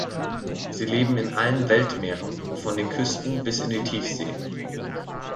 Sie leben in allen Weltmeeren, von den Küsten bis in die Tiefsee.